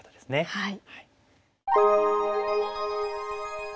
はい。